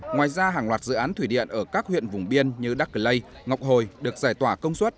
ngoài ra hàng loạt dự án thủy điện ở các huyện vùng biên như đắc lây ngọc hồi được giải tỏa công suất